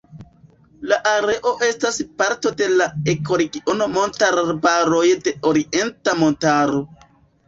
La areo estas parto de la ekoregiono Montararbaroj de Orienta Montaro.